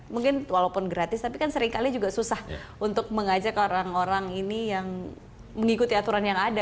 mungkin walaupun gratis tapi kan seringkali juga susah untuk mengajak orang orang ini yang mengikuti aturan yang ada